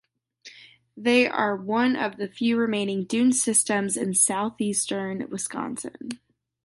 They are one of the few remaining dune systems in Southeastern Wisconsin.